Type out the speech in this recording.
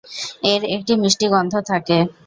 এর একটি মিষ্টি গন্ধ থাকে।